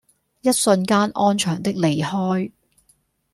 一瞬間安詳的離開